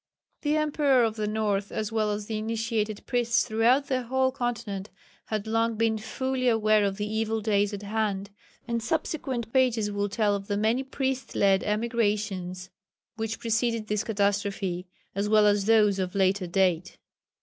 The emperor of the north as well as the initiated priests throughout the whole continent had long been fully aware of the evil days at hand, and subsequent pages will tell of the many priest led emigrations which preceded this catastrophe, as well as those of later date.